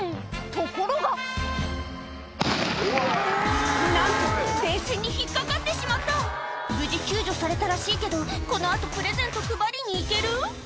ところがなんと電線に引っ掛かってしまった無事救助されたらしいけどこの後プレゼント配りに行ける？